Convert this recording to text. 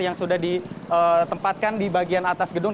yang sudah ditempatkan di bagian atas gedung